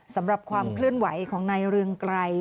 สำหรับความเคลื่อนไหวของนายเรืองไกร